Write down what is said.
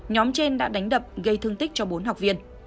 nhóm trên đã đánh đập gây thương tích cho bốn học viên